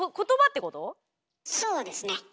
そうですね。